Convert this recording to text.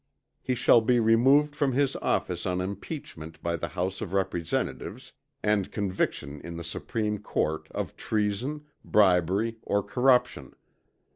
He shall be removed from his office on impeachment by the House of Representatives, and conviction in the Supreme Court, of treason, bribery, or corruption.